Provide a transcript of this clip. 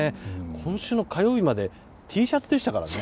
今週の火曜日までＴシャツでしたからね。